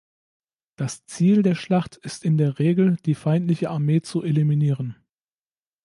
Das Ziel der Schlacht ist in der Regel, die feindliche Armee zu eliminieren.